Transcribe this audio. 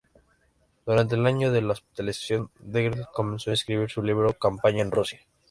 Durante el año de hospitalización, Degrelle comenzó a escribir su libro "Campaña en Rusia".